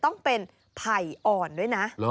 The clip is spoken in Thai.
ต้องเป็นไผ่อ่อนด้วยนะ